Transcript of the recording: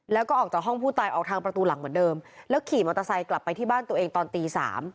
แล้วก็ออกจากห้องผู้ตายออกทางประตูหลังเหมือนเดิมแล้วขี่มอเตอร์ไซค์กลับไปที่บ้านตัวเองตอนตี๓